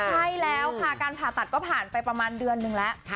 ใช่แล้วค่ะการผ่าตัดก็ผ่านไปประมาณเดือนนึงแล้ว